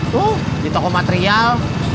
tuh di toko material